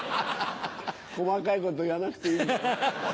細かいこと言わなくていいんだよ。